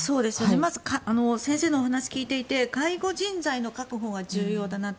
まず先生のお話を聞いていて介護人材の確保が重要だなと。